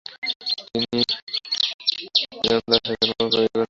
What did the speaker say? তিনি গ্রানাদায় জন্মগ্রহণ করেন এবং ইবনে বাজার দ্বারা শিক্ষিত হন।